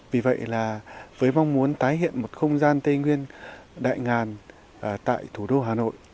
vì vậy là với mong muốn tái hiện một không gian tây nguyên đại ngàn tại thủ đô hà nội